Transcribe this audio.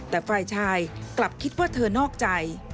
แต่ฝ่ายชายกลับคิดว่าเธอนอกใจ